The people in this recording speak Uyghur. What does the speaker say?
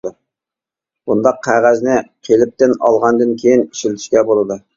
بۇنداق قەغەزنى قېلىپتىن ئالغاندىن كىيىن ئىشلىتىشكە بولىدۇ.